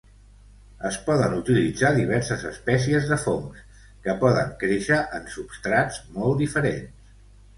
Es poden utilitzar diverses espècies de fongs que poden créixer en substrats molt diferents.